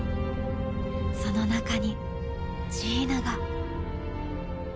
その中にジーナが。